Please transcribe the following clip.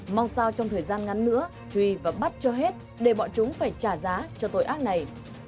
mong sao trong thời gian ngắn nữa duy và bắt cho hết để bọn chúng phải trả giá cho tội ác này